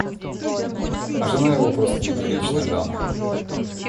А жена его просто неприличная дама.